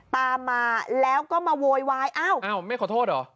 ตามมาแล้วก็มาโวยวายอ้าวอ้าวไม่ขอโทษเหรอ